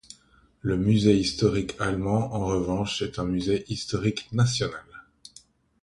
Le musée historique allemand en revanche est un musée historique national.